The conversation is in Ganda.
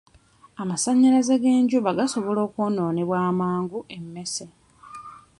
Amasannyalaze g'enjuba gasobola okwonoonebwa amangu emmese.